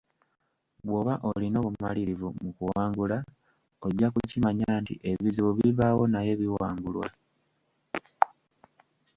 Bw’oba olina obumalirivu mu kuwangula, ojja kukimanya nti ebizibu bibaawo naye biwangulwa.